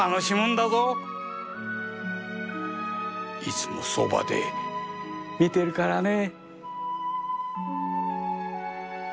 いつもそばで見てるからね。